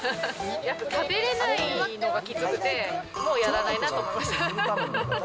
やっぱ食べれないのがきつくて、もうやらないなと思いました。